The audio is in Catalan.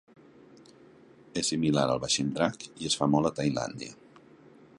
És similar al vaixell drac i es fa molt a Tailàndia.